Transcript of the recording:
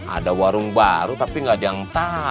ada warung baru tapi gak ada yang tau